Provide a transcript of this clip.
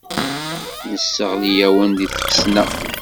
Nesseɣli-awen deg tfesna.